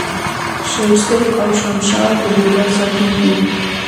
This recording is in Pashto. شیر سرخ او شمشال د بودا ساتونکي وو